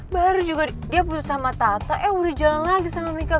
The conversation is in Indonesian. baru juga dia butuh sama tata eh udah jalan lagi sama michael